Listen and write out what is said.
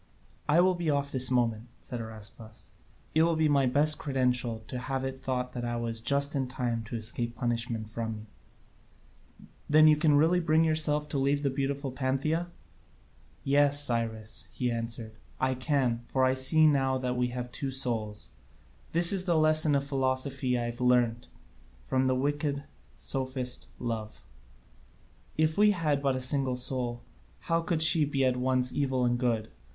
"I will be off this moment," said Araspas; "it will be my best credential to have it thought I was just in time to escape punishment from you." "Then you can really bring yourself to leave the beautiful Pantheia?" "Yes, Cyrus," he answered, "I can; for I see now that we have two souls. This is the lesson of philosophy that I have learnt from the wicked sophist Love. If we had but a single soul, how could she be at once evil and good?